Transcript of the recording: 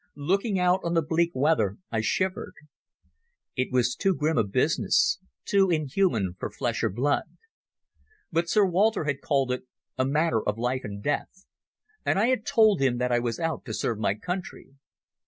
Looking out on the bleak weather I shivered. It was too grim a business, too inhuman for flesh and blood. But Sir Walter had called it a matter of life and death, and I had told him that I was out to serve my country.